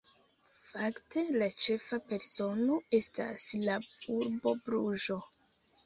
Fakte, la ĉefa persono estas la urbo Bruĝo.